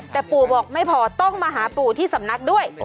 แต่ปู่บอกไม่พอต้องมาหาปู่ที่สำนักด้วย